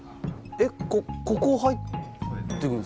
えっここ入っていくんですか？